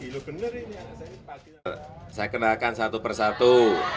saya kenalkan satu persatu